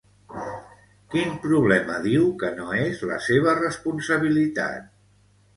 Quin problema diu que no és la seva responsabilitat?